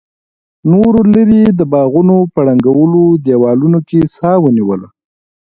نورو لرې د باغونو په ړنګو دیوالونو کې سا ونیوله.